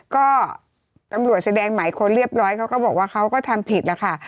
ก็ตำรวจแสดงหมายค้นเรียบร้อยเขาก็บอกว่าเขาก็ทำผิดแล้วค่ะ